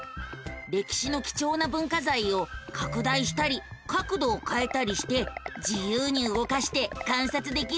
歴史の貴重な文化財を拡大したり角度をかえたりして自由に動かして観察できるのさ。